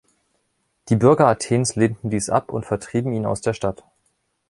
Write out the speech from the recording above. Die Bürger Athens lehnten dies ab und vertrieben ihn aus der Stadt.